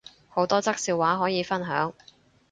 好多則笑話可以分享